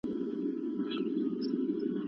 هيله ده چې تاسو ته د سياست اصلي مانا څرګنده شوې وي.